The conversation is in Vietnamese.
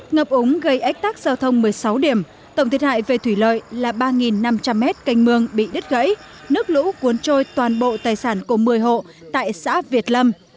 ngập úng gây ách tắc giao thông một mươi sáu điểm tổng thiệt hại về thủy lợi là ba năm trăm linh mét canh mương bị đứt gãy nước lũ cuốn trôi toàn bộ tài sản của một mươi hộ tại xã việt lâm